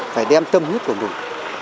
phải đem tâm huyết của mình